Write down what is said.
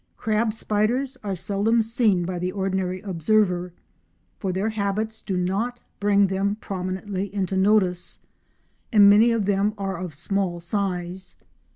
Crab spiders are seldom seen by the ordinary observer, for their habits do not bring them prominently into notice, and many of them are of small size.